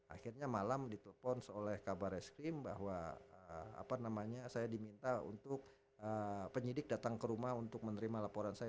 akhirnya malam ditelepons oleh kabar eskrim bahwa saya diminta untuk penyidik datang ke rumah untuk menerima laporan saya